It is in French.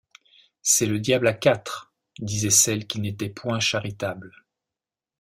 C’est le diable à quatre, disaient celles qui n’étaient point charitables.